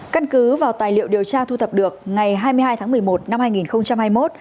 căn cứ vào tài liệu điều tra thu thập được ngày hai mươi hai tháng một mươi một năm hai nghìn hai mươi một